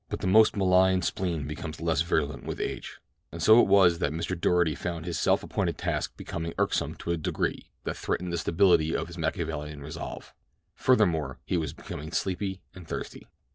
But the most malign spleen becomes less virulent with age, and so it was that Mr. Doarty found his self appointed task becoming irksome to a degree that threatened the stability of his Machiavellian resolve. Furthermore, he was becoming sleepy and thirsty.